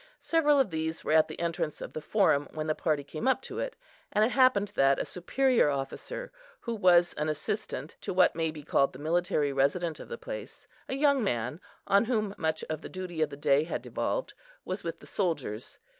Several of these were at the entrance of the Forum when the party came up to it; and it happened that a superior officer, who was an assistant to what may be called the military president of the place, a young man, on whom much of the duty of the day had devolved, was with the soldiers.